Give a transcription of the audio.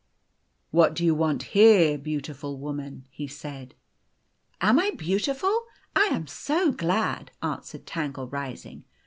" What do you want here, beautiful woman ?" he said. " Am I beautiful ? I am so glad !" answered Tangle, rising.